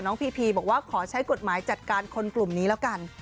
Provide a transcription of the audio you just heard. พีพีบอกว่าขอใช้กฎหมายจัดการคนกลุ่มนี้แล้วกัน